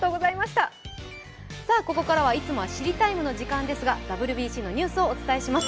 ここからはいつもは「知りＴＩＭＥ，」の時間ですがＷＢＣのニュースをお伝えします。